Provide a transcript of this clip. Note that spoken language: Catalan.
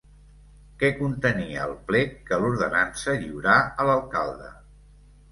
Què contenia el plec que l'ordenança lliurà a l'alcalde?